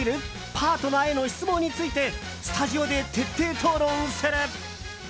パートナーへの失望についてスタジオで徹底討論する。